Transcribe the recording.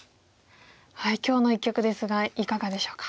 今日の一局ですがいかがでしょうか？